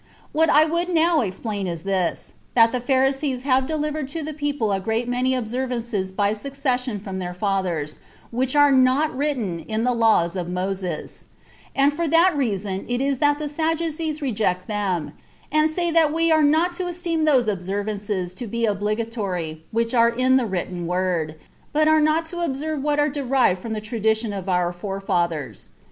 What I would now explain is this, that the Pharisees have delivered to the people a great many observances by succession from their fathers, which are not written in the laws of Moses; and for that reason it is that the Sadducees reject them, and say that we are to esteem those observances to be obligatory which are in the written word, but are not to observe what are derived from the tradition of our forefathers.